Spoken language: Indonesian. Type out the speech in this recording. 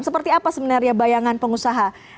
seperti apa sebenarnya bayangan pengusaha